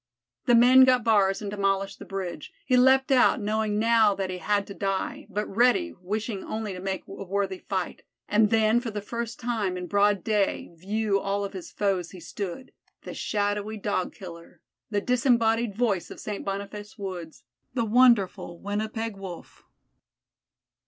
The men got bars and demolished the bridge. He leaped out, knowing now that he had to die, but ready, wishing only to make a worthy fight, and then for the first time in broad day view of all his foes he stood the shadowy Dog killer, the disembodied voice of St. Boniface woods, the wonderful Winnipeg Wolf.